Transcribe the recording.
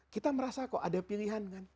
kita merasa kok ada pilihan kan